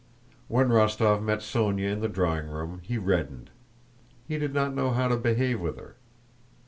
When Rostóv met Sónya in the drawing room, he reddened. He did not know how to behave with her.